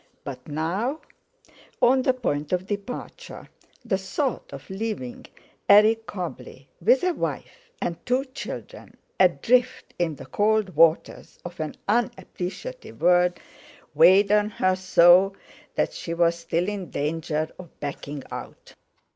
But now, on the point of departure, the thought of leaving Eric Cobbley, with a wife and two children, adrift in the cold waters of an unappreciative world weighed on her so that she was still in danger of backing out.